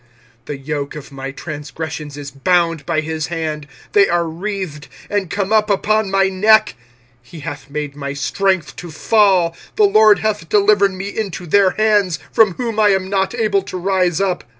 25:001:014 The yoke of my transgressions is bound by his hand: they are wreathed, and come up upon my neck: he hath made my strength to fall, the LORD hath delivered me into their hands, from whom I am not able to rise up.